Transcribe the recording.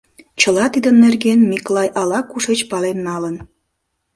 Чыла тидын нерген Миклай ала-кушеч пален налын.